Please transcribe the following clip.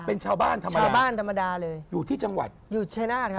เป็นชาวบ้านธรรมดาอยู่ที่จังหวัดค่ะไหลนัท